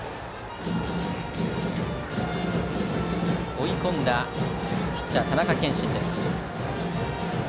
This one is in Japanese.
追い込んだピッチャー、田中謙心。